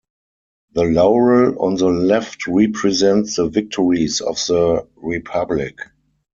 The laurel on the left represents the victories of the republic.